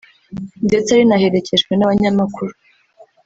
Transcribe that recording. ndetse rinaherekejwe n’Abanyamakuru